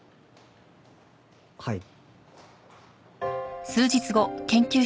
はい。